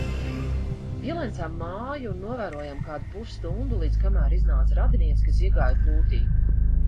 Ielencām māju un novērojām kādu pusstundu, līdz kamēr iznāca radiniece, kas iegāja kūti.